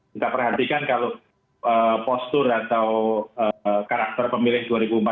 kita perhatikan kalau postur atau karakter pemilih dua ribu empat belas